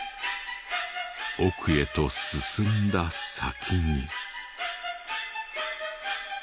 奥へと進んだ先に。